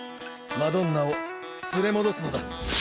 マドンナを連れ戻すのだ。